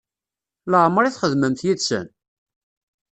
Laɛmeṛ i txedmemt yid-sen?